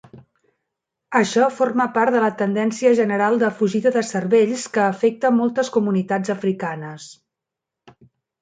Això forma part de la tendència general de fugida de cervells que afecta moltes comunitats africanes.